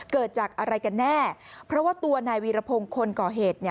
เกิดจากอะไรกันแน่เพราะว่าตัวนายวีรพงศ์คนก่อเหตุ